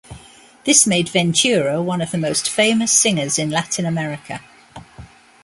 This made Ventura one of the most famous singers in Latin America.